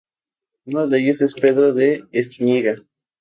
Uno de ellos es Pedro de Estúñiga.